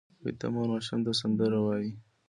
ویده مور ماشوم ته سندره وایي